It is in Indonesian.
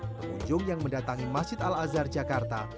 pengunjung yang mendatangi masjid al azhar jakarta